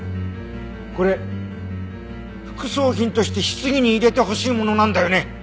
これ副葬品として棺に入れてほしいものなんだよね？